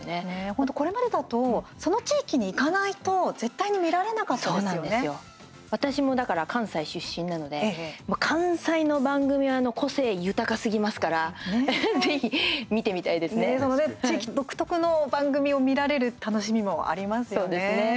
本当これまでだとその地域に行かないと私も関西出身なので関西の番組は個性豊かすぎますからその地域独特の番組を見られる楽しみもありますよね。